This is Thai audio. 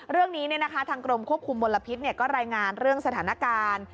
เรื่องนี้ทางกรมควบคุมมลพิษก็รายงานเรื่องสถานการณ์